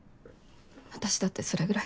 私だってそれぐらい。